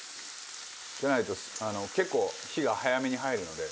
じゃないと結構火が早めに入るので。